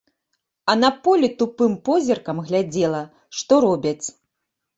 А на полі тупым позіркам глядзела, што робяць.